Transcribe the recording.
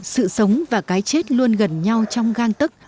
sự sống và cái chết luôn gần nhau trong găng tức